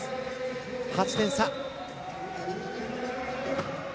８点差。